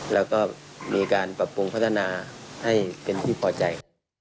แล้วก็มีการปรับปรุงพัฒนาให้เป็นที่พอใจ